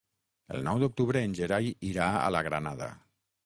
El nou d'octubre en Gerai irà a la Granada.